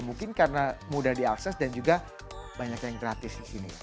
mungkin karena mudah diakses dan juga banyak yang gratis di sini